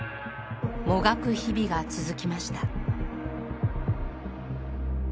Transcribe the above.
もがく日々が続きました。